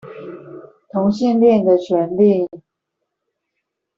同性戀的權利